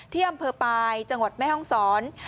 ที่อำเภอปลายจังหวัดแม่ห้องศร